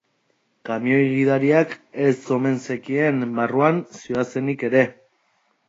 Kamioi gidariak ez omen zekien barruan zihoazenik ere.